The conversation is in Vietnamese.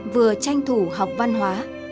vừa tranh thủ học văn hóa